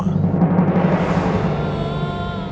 ayah anda akan pergi